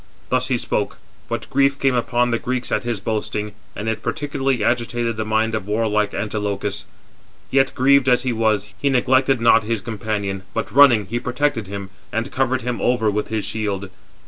Thus he spoke; but grief came upon the Greeks at his boasting, and it particularly agitated the mind of warlike Antilochus. Yet, grieved as he was, he neglected not his companion, but running, he protected him, and covered him over with his shield.